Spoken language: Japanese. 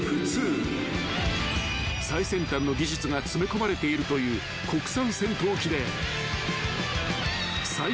［最先端の技術が詰め込まれているという国産戦闘機で］